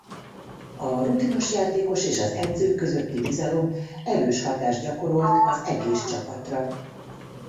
A rutinos játékos és az edző közötti bizalom erős hatást gyakorolt az egész csapatra.